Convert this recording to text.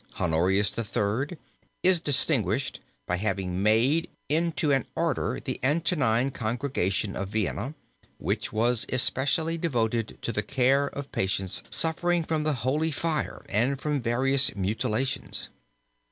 Honorius III. is distinguished by having made into an order the Antonine Congregation of Vienna, which was especially devoted to the care of patients suffering from the holy fire and from various mutilations.